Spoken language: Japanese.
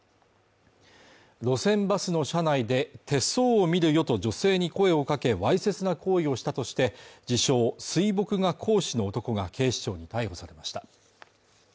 路線バスの車内で手相を見るよと女性に声をかけわいせつな行為をしたとして自称水墨画講師の男が警視庁に逮捕されました